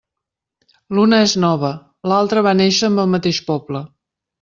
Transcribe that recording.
L'una és nova, l'altra va néixer amb el mateix poble.